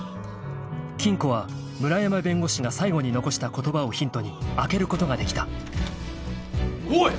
［金庫は村山弁護士が最後に残した言葉をヒントに開けることができた］おい！